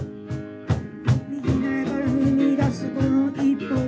「『右へならえ』から踏み出すこの一歩を」